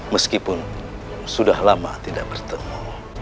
meskipun sudah lama tidak bertemu